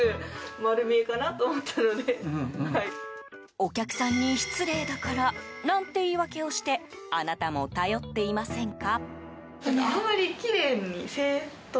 お客さんに失礼だからなんて言い訳をしてあなたも頼っていませんか？